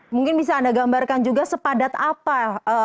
mungkin bisa anda gambarkan juga sepadat apa